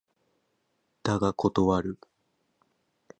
だが断る